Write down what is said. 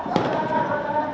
di vendas sekitar lethal